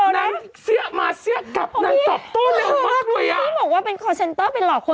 มานี่เค้าบอกบ่าบัตรเครดิตเทียงกาสิกร